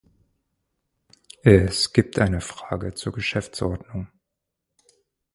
Es gibt eine Frage zur Geschäftsordnung.